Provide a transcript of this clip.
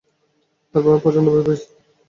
তার পরেও আমি প্রচণ্ড ভয় পেয়েছি।